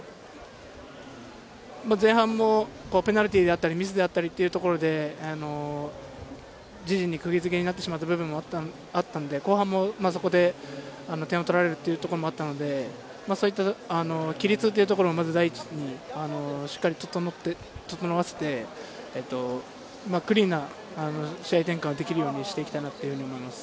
前半もペナルティーであったり、ミスであったりというところで、自陣に釘付けになってしまった部分もあったので、後半もそこで点を取られるというところもあったので、規律というところを第一にしっかり整わせて、クリーンな試合展開をできるようにしたいなと思います。